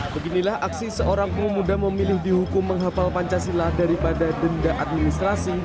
beginilah aksi seorang pemuda memilih dihukum menghapal pancasila daripada denda administrasi